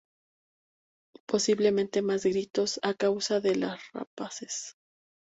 Posiblemente más gritos a causa de las rapaces".